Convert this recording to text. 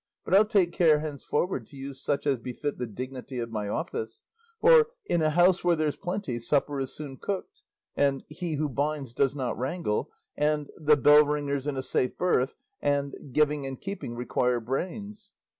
But I'll take care henceforward to use such as befit the dignity of my office; for 'in a house where there's plenty, supper is soon cooked,' and 'he who binds does not wrangle,' and 'the bell ringer's in a safe berth,' and 'giving and keeping require brains.